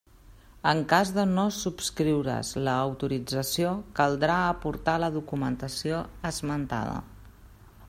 En cas de no subscriure's l'autorització, caldrà aportar la documentació esmentada.